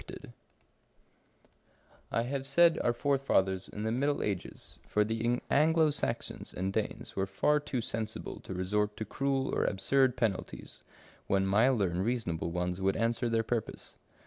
Curiosities of Olden Times I have said our forefathers in the middle ages, for the Anglo Saxons and Danes were far too sensible to resort to cruel or absurd penalties, when milder and reasonable ones would answer their purpose.